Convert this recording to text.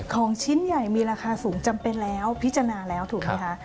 ของชิ้นใหญ่มีราคาสูงจำเป็นแล้วพิจารณาแล้วถูกไหมคะ